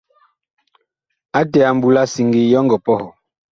Ate a mbu la siŋgi, yee ɔ ngɔ pɔhɔɔ ?